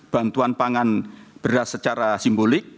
bantuan pangan beras secara simbolik